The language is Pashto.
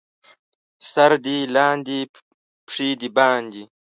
سر دې لاندې، پښې دې باندې.